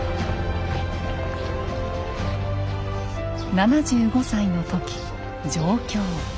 ７５歳の時上京。